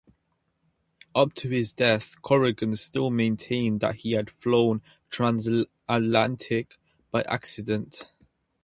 Up to his death, Corrigan still maintained that he had flown transatlantic by accident.